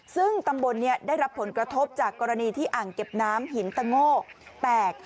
ซึ่งตำบลนี้ได้รับผลกระทบจากกรณีที่อ่างเก็บน้ำหินตะโง่แตก